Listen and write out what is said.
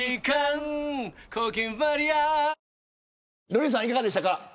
瑠麗さん、いかがでしたか。